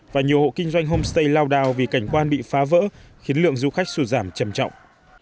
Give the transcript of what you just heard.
và nhiều hộ kinh doanh homestay lao đao vì cảnh quan bị phá vỡ khiến lượng du khách sụt giảm chầm trọng